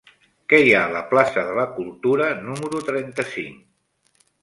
Què hi ha a la plaça de la Cultura número trenta-cinc?